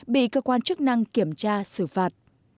bị cơ quan chức năng kiểm tra xử phạt